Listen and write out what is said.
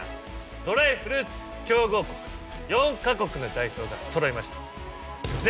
ドライフルーツ強豪国４か国の代表がそろいました。